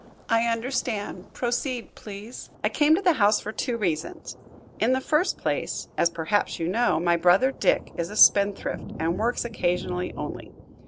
"I understand. Proceed, please." "I came to the house for two reasons. In the first place, as perhaps you know, my brother, Dick, is a spendthrift, and works occasionally only.